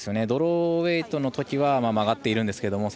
ドローエイトのときは曲がっているんですけど。